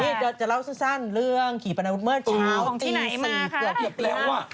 นี่จะเล่าสั้นเรื่องขี่ปนาวุธเมื่อเช้าตี๔เกือบแล้ว